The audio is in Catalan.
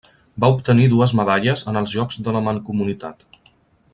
Va obtenir dues medalles en els Jocs de la Mancomunitat.